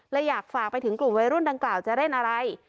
อยากฝากไปถึงกลุ่มวัยรุ่นดังกล่าวจะเล่นอะไร